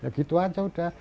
ya gitu aja udah